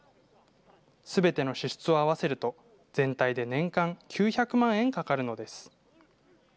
すべての支出を合わせると、全体で年間９００万円かかるのです。